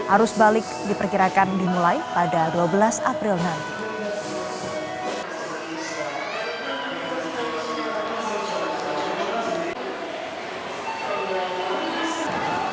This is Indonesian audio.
arus balik diperkirakan dimulai pada dua belas april nanti